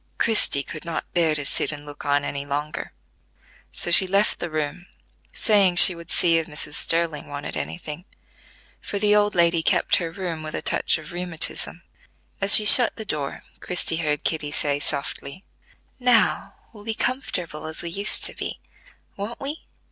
Christie could not bear to sit and look on any longer, so she left the room, saying she would see if Mrs. Sterling wanted any thing, for the old lady kept her room with a touch of rheumatism. As she shut the door, Christie heard Kitty say softly: "Now we'll be comfortable as we used to be: won't we?"